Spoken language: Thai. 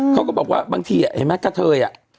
เขาก็บอกว่าบางทีเห็นไหมกระเทย